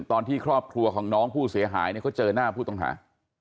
ตอนที่ครอบครัวของน้องผู้เสียหายเขาเจอหน้าผู้ต้องหา